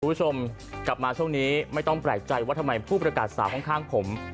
คุณผู้ชมกลับมาช่วงนี้ไม่ต้องแปลกใจว่าทำไมผู้ประกาศสาวข้างผม